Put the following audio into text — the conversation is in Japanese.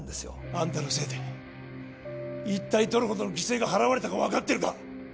アンタのせいで一体どれほどの犠牲が払われたか分かってるか！？